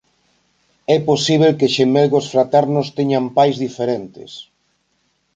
É posíbel que xemelgos fraternos teñan pais diferentes.